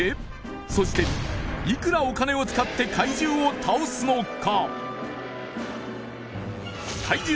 そしていくらお金を使って怪獣を倒すのか？